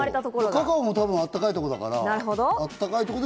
カカオも多分あったかいところだから。